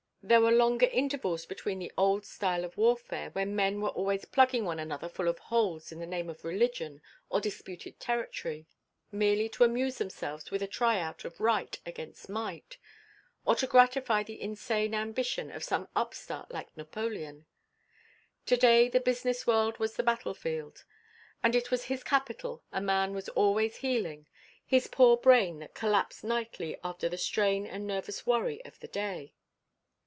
There were longer intervals between the old style of warfare when men were always plugging one another full of holes in the name of religion or disputed territory, merely to amuse themselves with a tryout of Right against Might, or to gratify the insane ambition of some upstart like Napoleon. To day the business world was the battlefield, and it was his capital a man was always healing, his poor brain that collapsed nightly after the strain and nervous worry of the day.